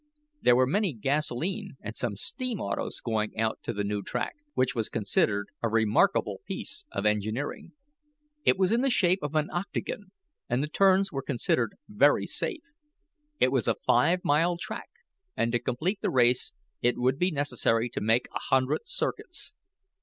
There were many gasolene and some steam autos going out to the new track, which was considered a remarkable piece of engineering. It was in the shape of an octagon, and the turns were considered very safe. It was a five mile track, and to complete the race it would be necessary to make a hundred circuits.